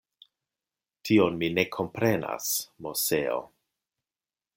Tion mi ne komprenas, Moseo.